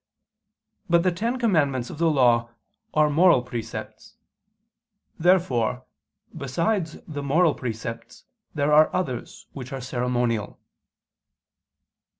But the ten commandments of the Law are moral precepts. Therefore besides the moral precepts there are others which are ceremonial.